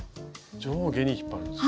上下に引っ張るんですね。